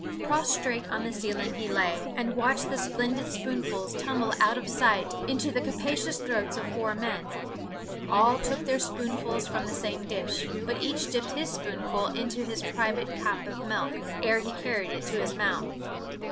Prostrate on the ceiling he lay and watched the splendid spoonfuls tumble out of sight into the capacious throats of four men; all took their spoonfuls from the same dish, but each dipped his spoonful into his private caup of milk, ere he carried it to his mouth.